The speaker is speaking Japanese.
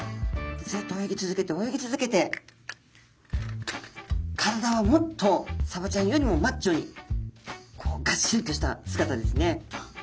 ずっと泳ぎ続けて泳ぎ続けて体はもっとサバちゃんよりもマッチョにこうがっしりとした姿ですね。